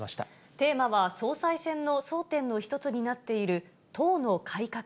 テーマは総裁選の争点の一つになっている、党の改革。